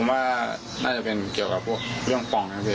๓๐บาทถังกับวันหนึ่งได้๖๐บาท